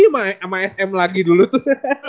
sama sm lagi dulu tuh